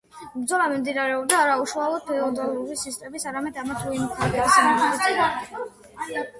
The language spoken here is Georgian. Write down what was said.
ბრძოლა მიმდინარეობდა არა უშალოდ ფეოდალური სისტემის, არამედ ამა თუ იმ ქალაქების სენიორების წინააღმდეგ.